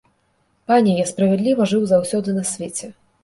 Пане, я справядліва жыў заўсёды на свеце.